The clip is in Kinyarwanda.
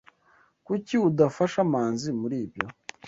Kuki udafasha Manzi muri ibyo?